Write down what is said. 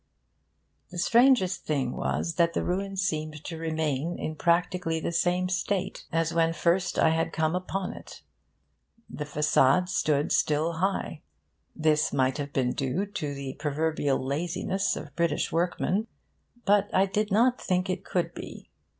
The strangest thing was that the ruin seemed to remain in practically the same state as when first I had come upon it: the facade still stood high. This might have been due to the proverbial laziness of British workmen, but I did not think it could be.